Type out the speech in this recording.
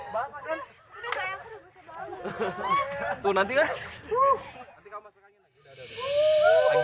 tembakin dia tembakin dia